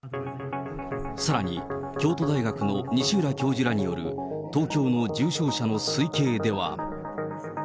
さらに、京都大学の西浦教授らによる、東京の重症者の推計では。